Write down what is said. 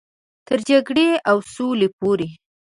تر جګړې او سولې پورې.